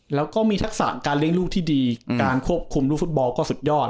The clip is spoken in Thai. แล้วก็มีทักษะการเลี้ยงลูกที่ดีการควบคุมลูกฟุตบอลก็สุดยอด